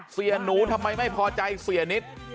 เสียหนูทำไมไม่พอใจเสียนิด